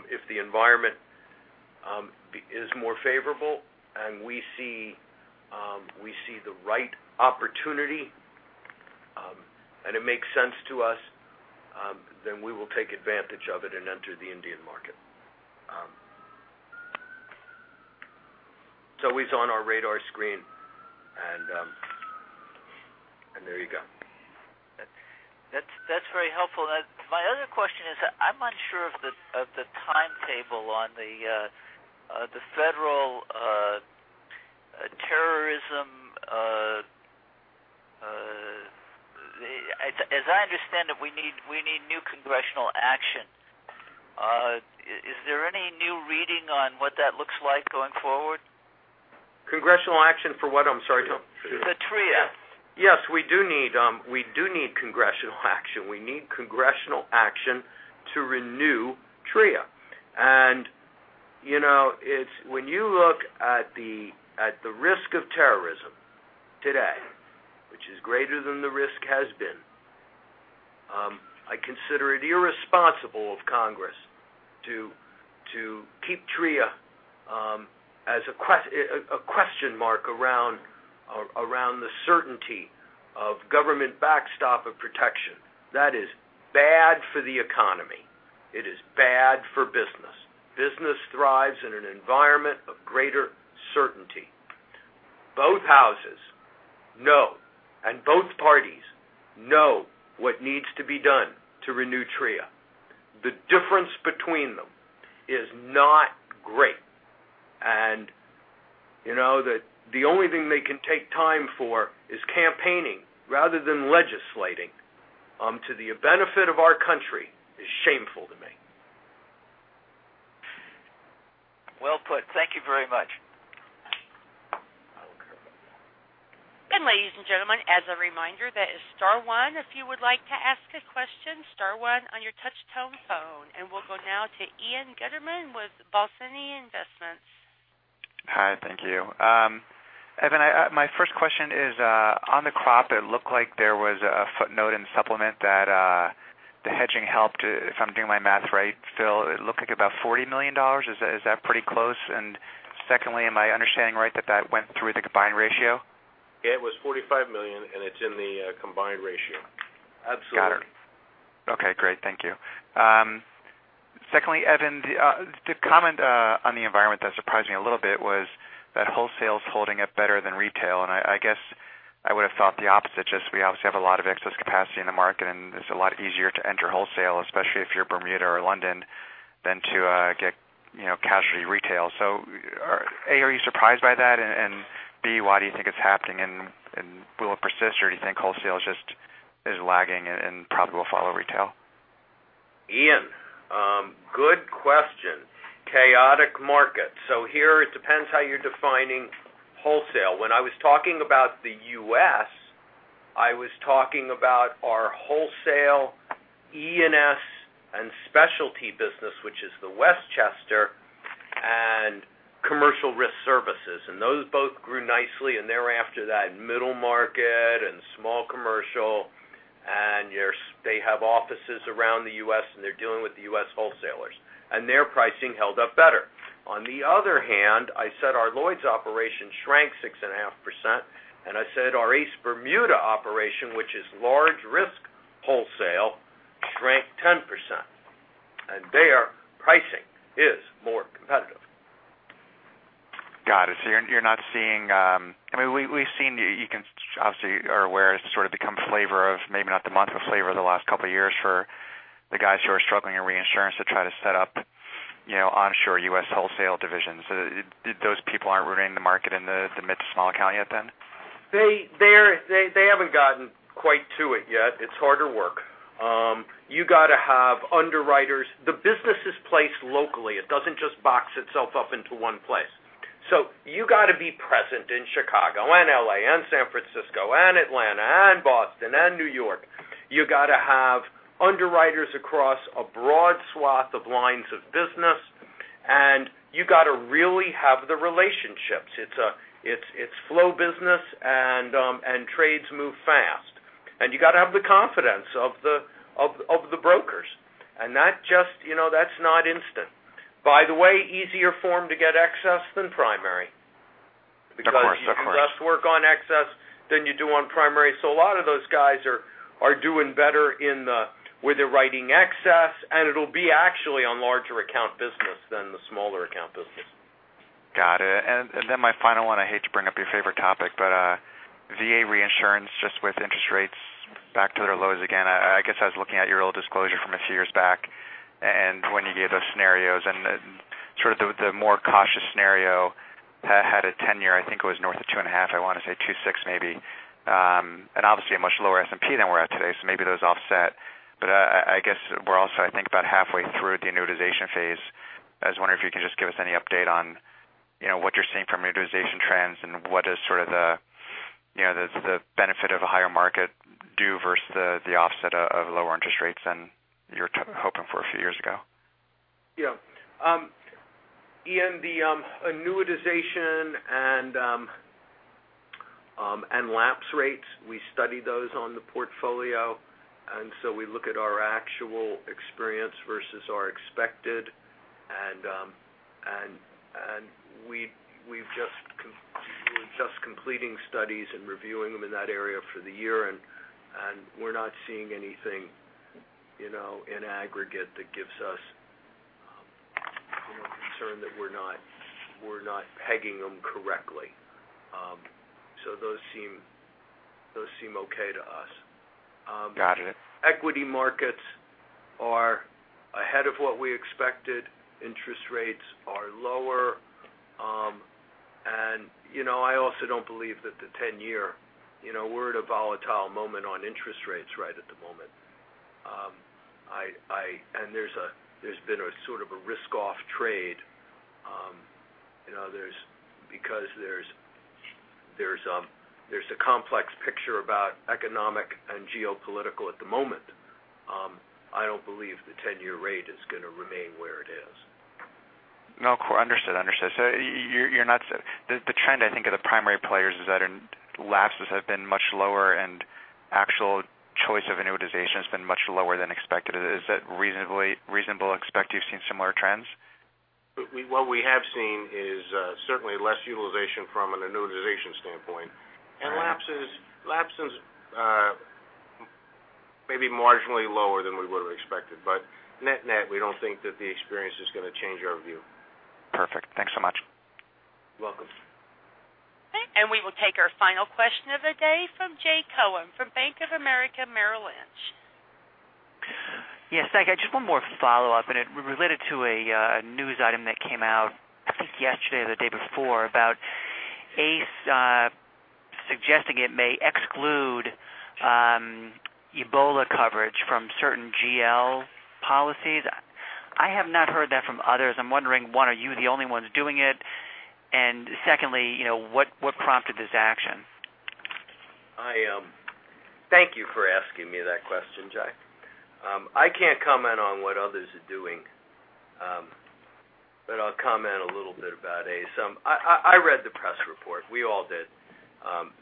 C: if the environment is more favorable and we see the right opportunity, and it makes sense to us, then we will take advantage of it and enter the Indian market. It's always on our radar screen. There you go.
N: That's very helpful. My other question is, I'm unsure of the timetable on the federal terrorism. As I understand it, we need new congressional action. Is there any new reading on what that looks like going forward?
C: Congressional action for what? I'm sorry, Tom.
N: The TRIA.
C: Yes. We do need congressional action. We need congressional action to renew TRIA. When you look at the risk of terrorism today, which is greater than the risk has been, I consider it irresponsible of Congress to keep TRIA as a question mark around the certainty of government backstop of protection. That is bad for the economy. It is bad for business. Business thrives in an environment of greater certainty. Both houses know, both parties know what needs to be done to renew TRIA. The difference between them is not great. The only thing they can take time for is campaigning rather than legislating to the benefit of our country is shameful to me.
N: Well put. Thank you very much.
A: Ladies and gentlemen, as a reminder, that is star one. If you would like to ask a question, star one on your touch-tone phone. We'll go now to Ian Gutterman with Balyasny Asset Management.
O: Hi. Thank you. Evan, my first question is, on the crop, it looked like there was a footnote in the supplement that the hedging helped, if I'm doing my math right, still it looked like about $40 million. Is that pretty close? Secondly, am I understanding right that that went through the combined ratio?
C: It was $45 million, and it's in the combined ratio. Absolutely.
O: Got it. Okay, great. Thank you. Secondly, Evan, the comment on the environment that surprised me a little bit was that wholesale's holding up better than retail, and I guess I would've thought the opposite, just we obviously have a lot of excess capacity in the market, and it's a lot easier to enter wholesale, especially if you're Bermuda or London, than to get casualty retail. A, are you surprised by that, and B, why do you think it's happening, and will it persist or do you think wholesale just is lagging and probably will follow retail?
C: Ian, good question. Chaotic market. Here it depends how you're defining wholesale. When I was talking about the U.S., I was talking about our wholesale E&S and specialty business, which is the Westchester and Commercial Risk Services. Those both grew nicely and they're after that middle market and small commercial, and they have offices around the U.S. and they're dealing with the U.S. wholesalers. Their pricing held up better. On the other hand, I said our Lloyd's operation shrank 6.5%, and I said our ACE Bermuda operation, which is large risk wholesale, shrank 10%. Their pricing is more competitive.
O: Got it. We've seen you obviously are aware it's sort of become flavor of, maybe not the month of flavor the last couple of years for the guys who are struggling in reinsurance to try to set up onshore U.S. wholesale divisions. Those people aren't ruining the market in the mid-to-small account yet then?
C: They haven't gotten quite to it yet. It's harder work. You got to have underwriters. The business is placed locally. It doesn't just box itself up into one place. You got to be present in Chicago and L.A. and San Francisco and Atlanta and Boston and New York. You got to have underwriters across a broad swath of lines of business, you got to really have the relationships. It's flow business and trades move fast. You got to have the confidence of the brokers. That's not instant. By the way, easier form to get excess than primary.
O: Of course.
C: You do less work on excess than you do on primary. A lot of those guys are doing better where they're writing excess, and it'll be actually on larger account business than the smaller account business.
O: Got it. Then my final one, I hate to bring up your favorite topic, VA reinsurance, just with interest rates back to their lows again. I guess I was looking at your old disclosure from a few years back and when you gave those scenarios and the more cautious scenario had a 10-year, I think it was north of two and a half, I want to say two six maybe. Obviously a much lower S&P than we're at today, maybe those offset. I guess we're also, I think, about halfway through the annuitization phase. I was wondering if you could just give us any update on what you're seeing from annuitization trends and what is sort of the benefit of a higher market due versus the offset of lower interest rates than you were hoping for a few years ago?
C: Yeah. Ian, the annuitization and lapse rates, we study those on the portfolio, we look at our actual experience versus our expected. We're just completing studies and reviewing them in that area for the year, we're not seeing anything in aggregate that gives us concern that we're not pegging them correctly. Those seem okay to us.
O: Got it.
C: Equity markets are ahead of what we expected. Interest rates are lower. I also don't believe that the 10-year, we're at a volatile moment on interest rates right at the moment. There's been a sort of a risk-off trade because there's a complex picture about economic and geopolitical at the moment. I don't believe the 10-year rate is going to remain where it is.
O: No, understood. The trend I think of the primary players is that lapses have been much lower and actual choice of annuitization has been much lower than expected. Is that reasonable expect you've seen similar trends?
C: What we have seen is certainly less utilization from an annuitization standpoint. Lapses, maybe marginally lower than we would've expected. Net-net, we don't think that the experience is going to change our view.
O: Perfect. Thanks so much.
C: Welcome.
A: We will take our final question of the day from Jay Cohen from Bank of America Merrill Lynch.
I: Yes, thank you. I just have one more follow-up. It related to a news item that came out, I think yesterday or the day before, about ACE suggesting it may exclude Ebola coverage from certain GL policies. I have not heard that from others. I'm wondering, one, are you the only ones doing it? Secondly, what prompted this action?
C: Thank you for asking me that question, Jay. I can't comment on what others are doing. I'll comment a little bit about ACE. I read the press report, we all did.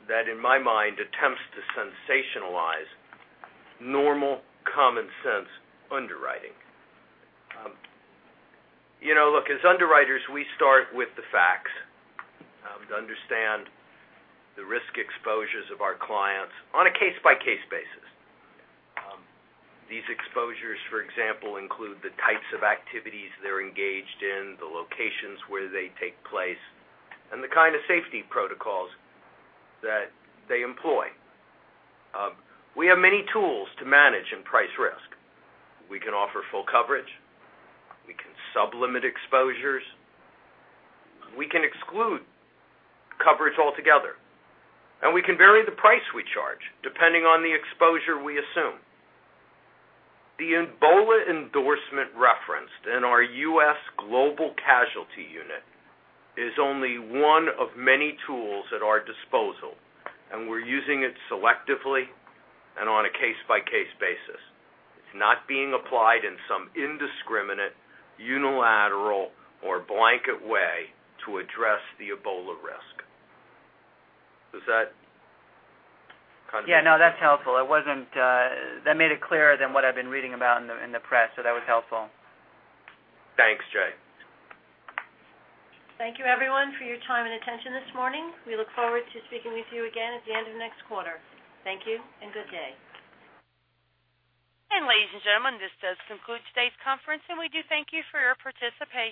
C: That, in my mind, attempts to sensationalize normal, common sense underwriting. Look, as underwriters, we start with the facts to understand the risk exposures of our clients on a case-by-case basis. These exposures, for example, include the types of activities they're engaged in, the locations where they take place, and the kind of safety protocols that they employ. We have many tools to manage and price risk. We can offer full coverage, we can sub-limit exposures, we can exclude coverage altogether, and we can vary the price we charge depending on the exposure we assume. The Ebola endorsement referenced in our U.S. global casualty unit is only one of many tools at our disposal, we're using it selectively and on a case-by-case basis. It's not being applied in some indiscriminate, unilateral, or blanket way to address the Ebola risk. Does that contribute?
I: Yeah, no, that's helpful. That made it clearer than what I've been reading about in the press, that was helpful.
C: Thanks, Jay.
B: Thank you everyone for your time and attention this morning. We look forward to speaking with you again at the end of next quarter. Thank you and good day.
A: Ladies and gentlemen, this does conclude today's conference, and we do thank you for your participation.